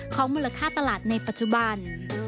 มูลค่าตลาดในปัจจุบัน